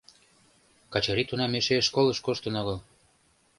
Качырий тунам эше школыш коштын огыл.